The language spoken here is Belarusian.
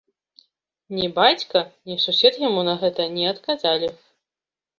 Ні бацька, ні сусед яму на гэта не адказалі.